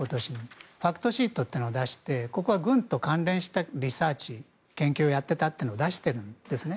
ファクトシートというのを出してここは軍と関連した研究をやっていたと出しているんですね。